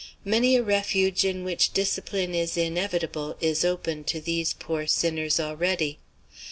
Many a refuge, in which discipline is inevitable, is open to these poor sinners already.